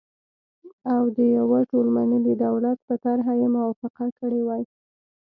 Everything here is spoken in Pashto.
او د يوه ټول منلي دولت په طرحه یې موافقه کړې وای،